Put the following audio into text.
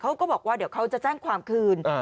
เขาก็บอกว่าเดี๋ยวเขาจะแจ้งความคืน